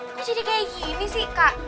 kok jadi kayak gini sih kak